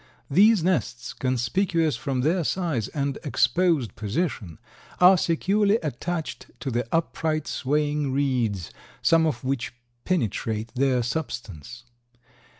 These nests, conspicuous from their size and exposed position, are securely attached to the upright swaying reeds, some of which penetrate their substance.